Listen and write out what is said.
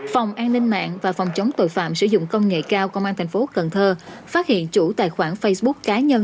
phòng an ninh mạng và phòng chống tội phạm sử dụng công nghệ cao công an tp cn phát hiện chủ tài khoản facebook cá nhân